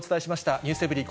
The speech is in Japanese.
ｎｅｗｓｅｖｅｒｙ．